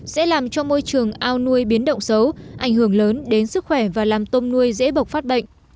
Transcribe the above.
sẽ làm cho môi trường ao nuôi biến động xấu ảnh hưởng lớn đến sức khỏe và làm tôm nuôi dễ bộc phát bệnh